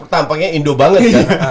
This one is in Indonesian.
tampaknya indo banget kan